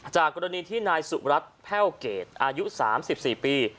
กรณีที่นายสุรัตน์แพ่วเกรดอายุ๓๔ปี